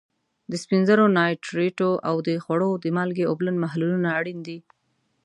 د سپینو زرو نایټریټو او د خوړو د مالګې اوبلن محلولونه اړین دي.